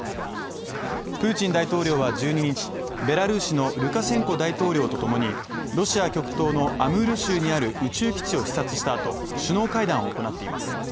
プーチン大統領は１２日、ベラルーシのルカシェンコ大統領とともにロシア極東のアムール州にある宇宙基地を視察したあと首脳会談を行っています。